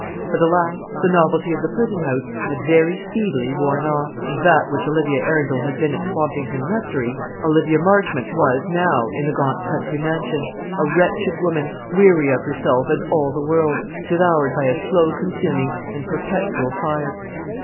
But, alas! the novelty of the prison house had very speedily worn off, and that which Olivia Arundel had been at Swampington Rectory, Olivia Marchmont was now in the gaunt country mansion, a wretched woman, weary of herself and all the world, devoured by a slow consuming and perpetual fire.